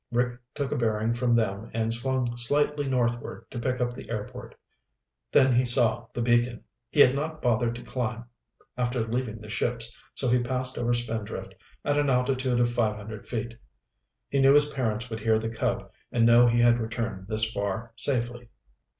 Rick took a bearing from them and swung slightly northward to pick up the airport. Then he saw the beacon. He had not bothered to climb after leaving the ships, so he passed over Spindrift at an altitude of five hundred feet. He knew his parents would hear the Cub and know he had returned this far safely.